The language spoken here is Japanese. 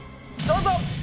どうぞ！